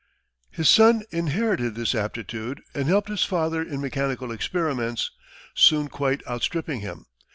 His son inherited this aptitude, and helped his father in mechanical experiments, soon quite outstripping him.